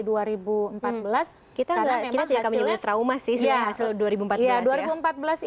kita tidak akan menimbulkan trauma sih hasil dua ribu empat belas